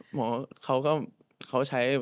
หมอเขาใช้